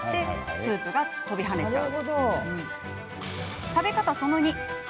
スープが飛び跳ねちゃう。